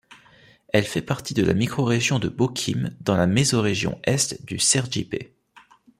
Elle fait partie de la microrégion de Boquim, dans la mésorégion Est du Sergipe.